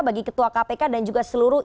bagi ketua kpk dan juga seluruh